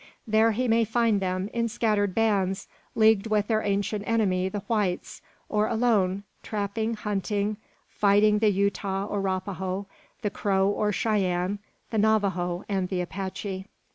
There he may find them, in scattered bands, leagued with their ancient enemies the whites, or alone, trapping, hunting, fighting the Yuta or Rapaho, the Crow or Cheyenne, the Navajo and the Apache.